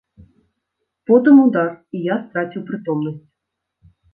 Потым удар, і я страціў прытомнасць.